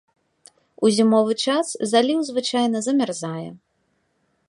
У зімовы час заліў звычайна замярзае.